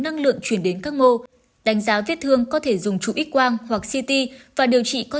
năng lượng truyền đến các mô đánh giá vết thương có thể dùng trụ ích quang hoặc ct và điều trị có